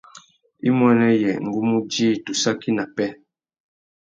Imuênê yê ngu mú djï tu saki nà pêh.